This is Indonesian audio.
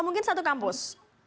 mungkin satu kampus